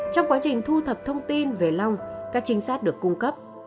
trong quá trình thu thập thông tin về long các trinh sát được cung cấp